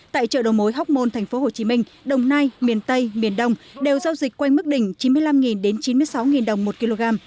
tại chợ đầu mối hóc môn thành phố hồ chí minh đồng nai miền tây miền đông đều giao dịch quanh mức đỉnh chín mươi năm đến chín mươi sáu đồng một kg